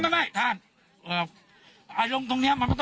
ไม่ท่านอารมณ์ตรงนี้